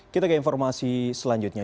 kita ke informasi selanjutnya